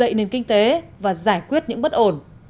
đẩy nền kinh tế và giải quyết những bất ổn